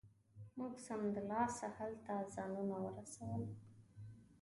موږ سمدلاسه هلته ځانونه ورسول.